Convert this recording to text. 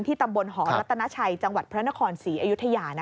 ตำบลหอรัตนาชัยจังหวัดพระนครศรีอยุธยา